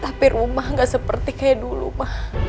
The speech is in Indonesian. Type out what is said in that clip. tapi rumah gak seperti kayak dulu mah